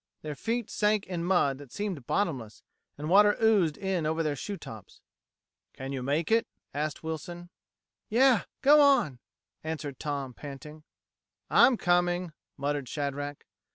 Their feet sank in mud that seemed bottomless, and water oozed in over their shoe tops. "Can you make it?" asked Wilson. "Yeh go on," answered Tom, panting. "I'm coming," muttered Shadrack.